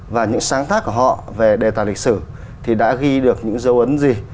và những sáng tác của họ về đề tài lịch sử thì đã ghi được những dấu ấn gì